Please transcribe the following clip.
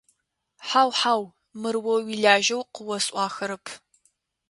Хьау, хьау, мыр о уилажьэу къыосӀуахэрэп.